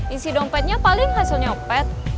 isi dompetnya paling hasilnya opet